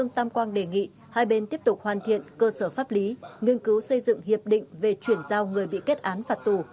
tam quang đề nghị hai bên tiếp tục hoàn thiện cơ sở pháp lý nghiên cứu xây dựng hiệp định về chuyển giao người bị kết án phạt tù